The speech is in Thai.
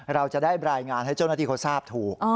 เราจะได้รายงานให้เจ้าหน้าที่เขาทราบถูก